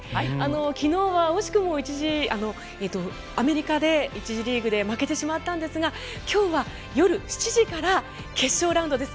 昨日は惜しくもアメリカに１次リーグで負けてしまったんですが今日は夜７時から決勝ラウンドです。